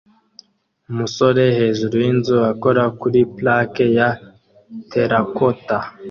Umusore hejuru yinzu akora kuri plaque ya terracotta